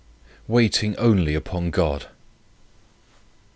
WAITING ONLY UPON GOD.